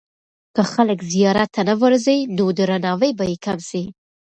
که خلک زیارت ته نه ورځي، نو درناوی به یې کم سي.